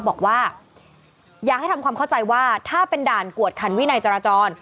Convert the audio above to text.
บอกว่าอยากให้ทำความเข้าใจว่าถ้าเป็นด่านกวดขันวินัยจราจร